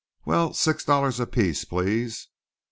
"Well, six dollars apiece, please."